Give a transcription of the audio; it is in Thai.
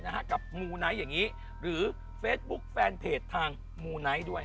และมูไนหรือเฟสบุ๊คแฟนเพจทางมูไนด้วย